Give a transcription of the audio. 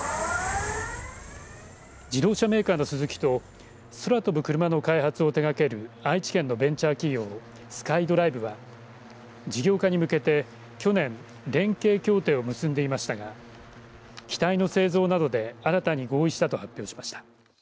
自動車メーカーのスズキと空飛ぶクルマの開発を手がける愛知県のベンチャー企業ＳｋｙＤｒｉｖｅは事業化に向けて去年連携協定を結んでいましたが機体の製造などで新たに合意したと発表しました。